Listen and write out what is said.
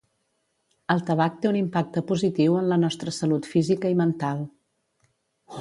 El tabac té un impacte positiu en la nostra salut física i mental.